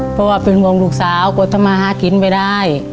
เพราะว่าเป็นห่วงลูกสาวกลัวทำมาหากินไม่ได้